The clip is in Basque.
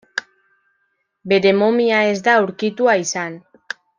Bere momia ez da aurkitua izan.